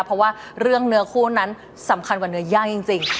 เพราะว่าเรื่องเนื้อคู่นั้นสำคัญกว่าเนื้อย่างจริง